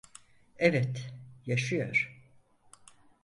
Evet, yaşıyor.